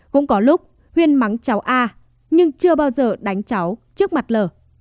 cũng có lúc huyên mắng cháu a nhưng chưa bao giờ đánh cháu trước mặt lở